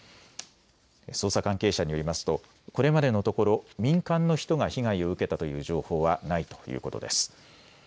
捜査関係者によりますとこれまでのところ民間の人が被害を受けたという情報はないということです。